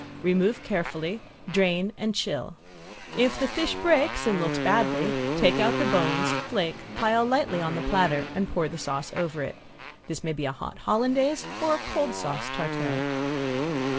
Remove carefully, drain, and chill. If the fish breaks and looks badly take out the bones, flake, pile lightly on the platter and pour the sauce over it. This may be a hot sauce Hollandaise or a cold sauce tartare.